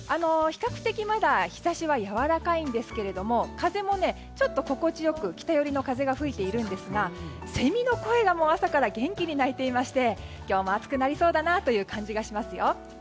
比較的まだ日差しはやわらかいんですけど風もちょっと心地よく北寄りの風が吹いていますがセミの声が朝から元気に鳴いていまして今日も暑くなりそうだなという感じがしますよ。